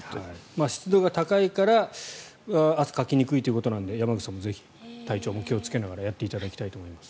湿度が高いから汗をかきにくいということですので山口さんもぜひ体調も気をつけながらやっていただきたいと思います。